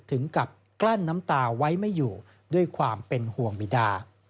ถึงกับกลั้นน้ำตาไว้ไม่อยู่ด้วยความเป็นห่วงบิดา